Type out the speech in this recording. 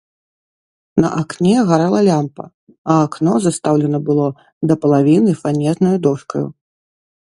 На акне гарэла лямпа, а акно застаўлена было да палавіны фанернаю дошкаю.